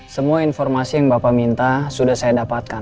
semua informasi yang bapak minta sudah saya dapatkan